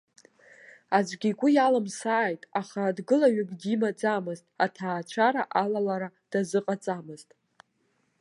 Аӡәгьы игәы иалымсааит, аха дгылаҩык димаӡамызт, аҭаацәара алалара дазыҟаҵамызт.